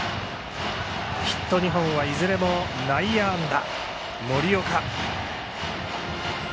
ヒット２本はいずれも森岡の内野安打。